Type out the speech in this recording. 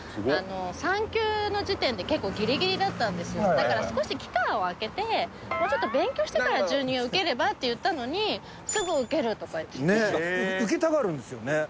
だから少し期間を空けて「もうちょっと勉強してから準２を受ければ？」って言ったのに「すぐ受ける！」とか言って受けたがるんですよね